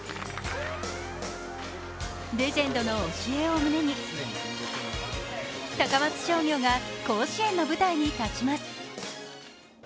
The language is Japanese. レジェンドの教えを胸に高松商業が甲子園の舞台に立ちます。